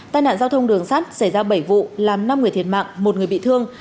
tai nạn giao thông đường sắt xảy ra bảy vụ làm năm người thiệt mạng một người bị thương